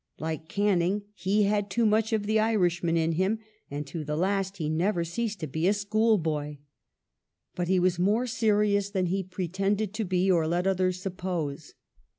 Like Canning he had too much of the Irishman in him, and to the last he never ceased to be a schoolboy. But he was more serious than he pre tended to be, or let others suppose.